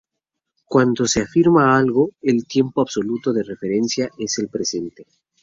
Cuando se afirma algo, el tiempo absoluto de referencia es el presente.